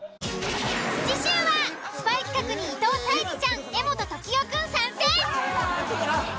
次週はスパイ企画に伊藤沙莉ちゃん柄本時生くん参戦！